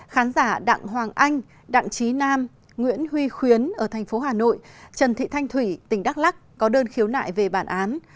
khán giả đặng hoàng anh đặng trí nam nguyễn huy khuyến ở thành phố hà nội trần thị thanh thủy tỉnh đắk lắc có đơn khiếu nại về bản án